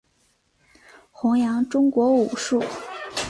宏杨中国武术。